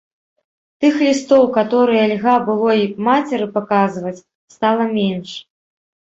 Тых лістоў, каторыя льга было й мацеры паказваць, стала менш.